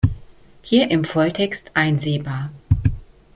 Hier im Volltext einsehbar.